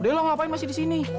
udah iya lah ngapain masih di sini